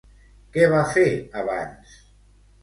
Què va fer abans?